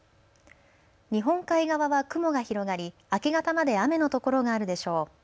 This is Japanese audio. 日本海側は雲が広がり明け方まで雨の所があるでしょう。